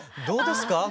どうですか？